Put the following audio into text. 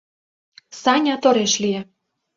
— Саня тореш лие.